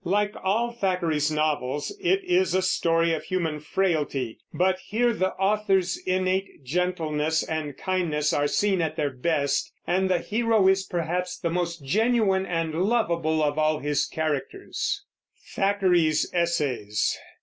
Like all Thackeray's novels, it is a story of human frailty; but here the author's innate gentleness and kindness are seen at their best, and the hero is perhaps the most genuine and lovable of all his characters.